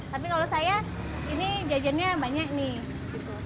tapi kalau saya ini jajannya banyak nih